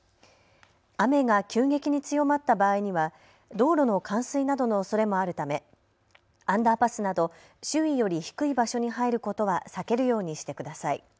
雨が急激に強まった場合には道路の冠水などのおそれもあるためアンダーパスなど周囲より低い場所に入ることは避けるようにしてください。